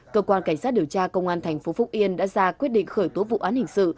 cơ quan cảnh sát điều tra công an thành phố phúc yên đã ra quyết định khởi tố vụ án hình sự